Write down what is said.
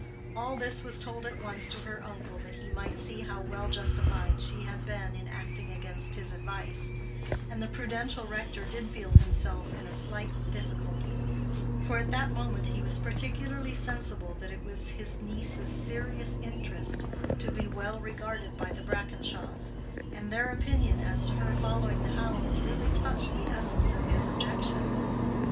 All this was told at once to her uncle, that he might see how well justified she had been in acting against his advice; and the prudential rector did feel himself in a slight difficulty, for at that moment he was particularly sensible that it was his niece's serious interest to be well regarded by the Brackenshaws, and their opinion as to her following the hounds really touched the essence of his objection.